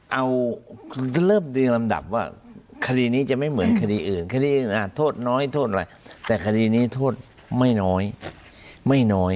เอาเริ่มเรียงลำดับว่าคดีนี้จะไม่เหมือนคดีอื่นคดีอื่นอาจโทษน้อยโทษอะไรแต่คดีนี้โทษไม่น้อยไม่น้อย